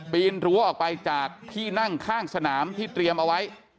ปีนรั้วออกไปจากที่นั่งข้างสนามที่เตรียมเอาไว้